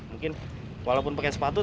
mungkin walaupun pakai sepatu